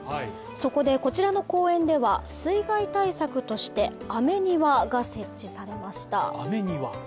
そこで、こちらの公園では、水害対策として雨庭が設置されました。